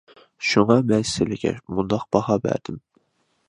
شۇڭا، مەن سىلىگە مۇنداق باھا بەردىم.